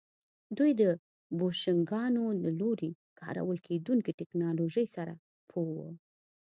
دوی د بوشنګانو له لوري کارول کېدونکې ټکنالوژۍ سره پوه وو